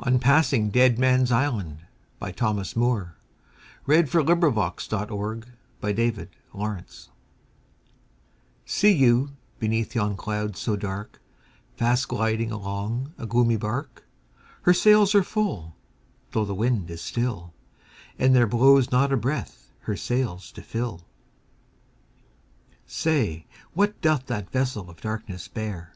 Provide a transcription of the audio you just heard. f On Passing Deadman's Island By Thomas Moore (1779–1852) SEE you, beneath yon cloud so dark, Fast gliding along a gloomy bark? Her sails are full,—though the wind is still, And there blows not a breath her sails to fill! Say, what doth that vessel of darkness bear?